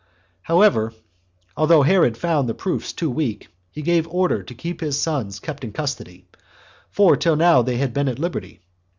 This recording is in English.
However, although Herod found the proofs too weak, he gave order to have his sons kept in custody; for till now they had been at liberty.